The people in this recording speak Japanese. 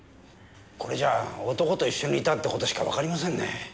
これじゃあ男と一緒にいたって事しかわかりませんねえ。